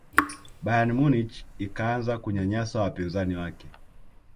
bayern munich ikaanza kunyanyasa wapinzani wake